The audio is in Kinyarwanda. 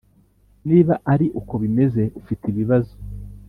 Niba ari uko bimeze ufite ibibazo